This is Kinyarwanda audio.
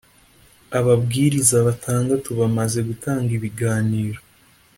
ababwiriza batandatu bamaze gutanga ibiganiro.